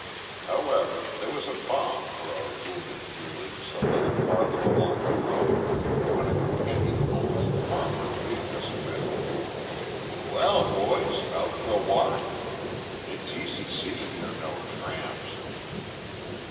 However, there was balm for our wounded feelings a little farther along the road, when a companionable old farmer greeted us with: "Well, boys! out for a walk? It's easy seeing you're no tramps."